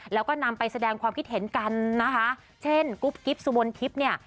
แล้วก็นำไปแสดงความคิดเห็นกันนะคะเช่นกุ๊บกิ๊บสุมนทิพย์เนี่ย